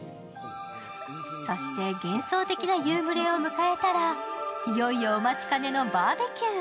そして幻想的な夕暮れを迎えたらいよいよお待ちかねのバーベキュー。